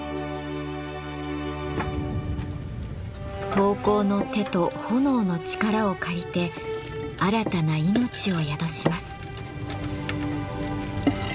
陶工の手と炎の力を借りて新たな命を宿します。